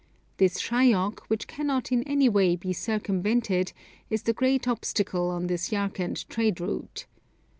This Shayok, which cannot in any way be circumvented, is the great obstacle on this Yarkand trade route.